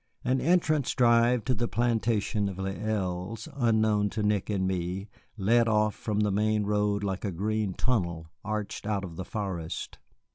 An entrance drive to the plantation of Les Îles, unknown to Nick and me, led off from the main road like a green tunnel arched out of the forest.